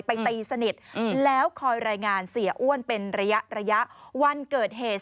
ตีสนิทแล้วคอยรายงานเสียอ้วนเป็นระยะระยะวันเกิดเหตุ